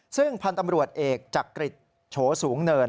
ซึ่งพันธุ์ตำรวจเอกจักริจโฉสูงเนิน